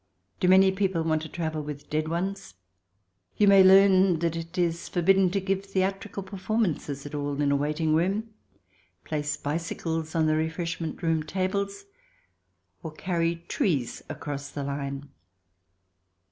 Do many people want to travel with dead ones ? You may learn that it is forbidden to give theatrical performances at all in a waiting room, place bicycles on the refreshment room tables, or carry trees across the line.